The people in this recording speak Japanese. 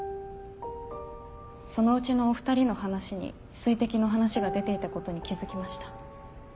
そのうちのお２人の話に水滴の話が出ていたことに気付きました。